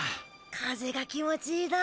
風が気持ちいいだ。